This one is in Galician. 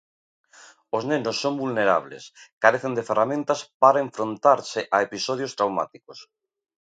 Os nenos son vulnerables, carecen de ferramentas para enfrontarse a episodios traumáticos.